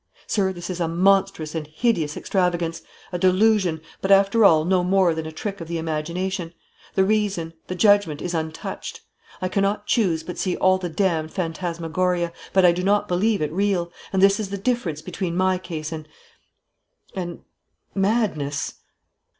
Sir, this is a monstrous and hideous extravagance, a delusion, but, after all, no more than a trick of the imagination; the reason, the judgment, is untouched. I cannot choose but see all the damned phantasmagoria, but I do not believe it real, and this is the difference between my case and and madness!"